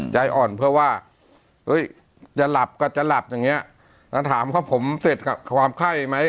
ใจอ่อนเพื่อว่าจะหลับก็จะหลับอย่างเงี้ยแล้วถามว่าผมเสร็จกับความไข้ไหม